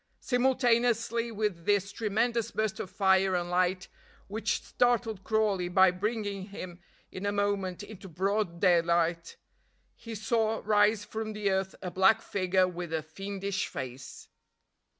Simultaneously with this tremendous burst of fire and light, which startled Crawley by bringing him in a moment into broad daylight, he saw rise from the earth a black figure with a fiendish face.